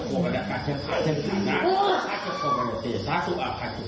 อื้อ